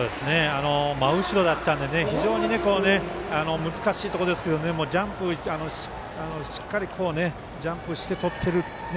真後ろだったので非常に難しいところですけどしっかりジャンプしてとってる。